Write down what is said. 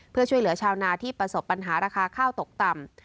เพื่อช่วยเหลือชาวนาที่ประสบปัญหาราคาข้าวตกต่ำ